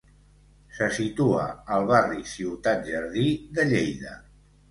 Se situa al barri Ciutat Jardí de Lleida.